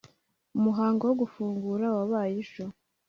umuhango wo gufungura wabaye ejo